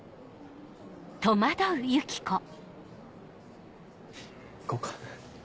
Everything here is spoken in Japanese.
行こっか。